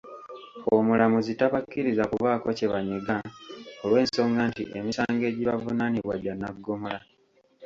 Omulamuzi tabakkiriza kubaako kye banyega olw’ensonga nti emisango egibavunaanibwa gya Nnaggomola.